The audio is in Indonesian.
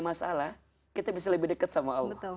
masalah kita bisa lebih dekat sama allah